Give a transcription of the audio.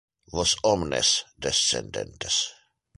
Vos omnes, descendentes.